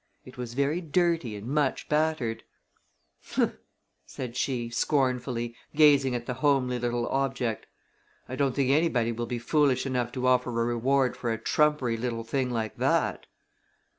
It was very dirty and much battered. [Illustration: "HUMPH!" SAID SHE, SCORNFULLY] "Humph!" said she, scornfully, gazing at the homely little object. "I don't think anybody will be foolish enough to offer a reward for a trumpery little thing like that."